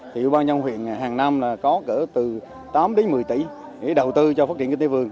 thì quý bà nhà huyện hàng năm có cỡ từ tám một mươi tỷ để đầu tư cho phát triển kinh tế vườn